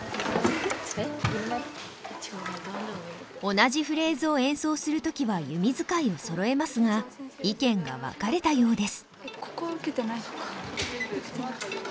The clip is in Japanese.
同じフレーズを演奏する時は弓使いをそろえますが意見が分かれたようです。